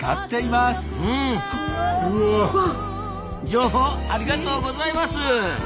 情報ありがとうございます！